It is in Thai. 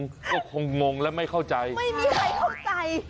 ก็คงงและไม่เข้าใจไม่มีใครเข้าใจ